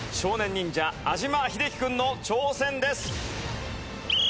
忍者安嶋秀生君の挑戦です！